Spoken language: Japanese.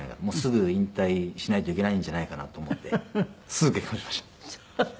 もうすぐ引退しないといけないんじゃないかなと思ってすぐ結婚しました。